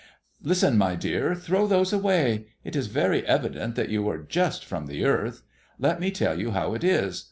"Listen, my dear, throw those away. It is very evident that you are just from the earth. Let me tell you how it is.